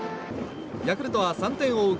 ヤクルトは３点を追う